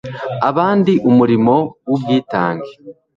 abandi umurimo wu bwitange